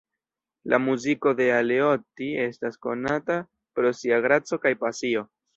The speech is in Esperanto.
La muziko de Aleotti estas konata pro sia graco kaj pasio.